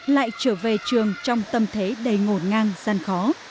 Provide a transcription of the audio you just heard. lại trở về trường trong tâm thế đầy ngổn ngang gian khó